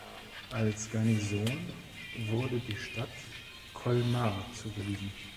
Als Garnison wurde die Stadt Colmar zugewiesen.